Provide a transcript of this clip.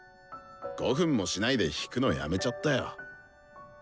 ５分もしないで弾くのやめちゃったよ。